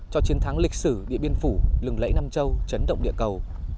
cho chiến thắng lịch sử địa biên phủ lừng lẫy nam châu trấn động địa cầu